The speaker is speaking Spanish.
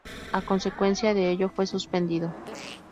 A consecuencia de ello fue suspendido.